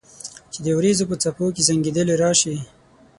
چې د اوریځو په څپو کې زنګیدلې راشي